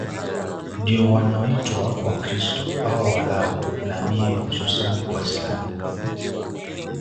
ndio wanaoitwa Wakristo au walau nabii hususani Waislamu